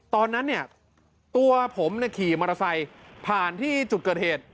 ตอนนั้นเนี่ยตัวผมขี่มอเตอร์ไซค์ผ่านที่จุดเกิดเหตุ